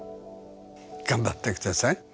頑張ってください！